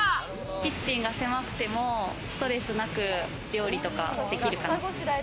キッチンが狭くてもストレスなく料理とかできるから。